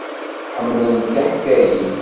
Ḥemmlent tiḥkayin.